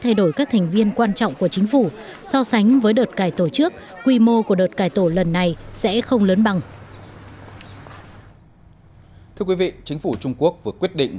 thưa quý vị chính phủ trung quốc vừa quyết định